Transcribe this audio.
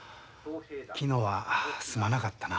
昨日はすまなかったな。